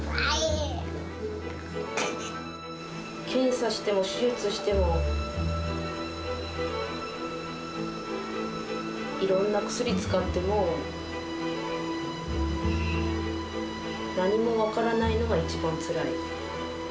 検査しても手術しても、いろんな薬使っても、なんにも分からないのが一番つらい。